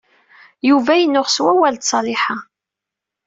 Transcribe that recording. Yuba yennuɣ s wawal d Ṣaliḥa.